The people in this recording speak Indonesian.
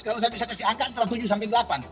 kalau saya bisa kasih angka antara tujuh sampai delapan